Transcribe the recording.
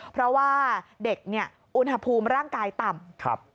เพราะว่าเด็กเนี่ยอุณหภูมิร่างกายต่ำ